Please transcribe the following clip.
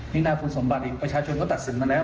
นี่นาคุณสมบัติเองประชาชนก็ตัดสินมาแล้ว